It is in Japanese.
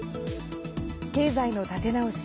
経済の立て直し